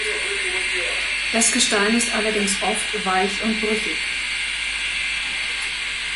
Das Gestein ist allerdings oft weich und brüchig.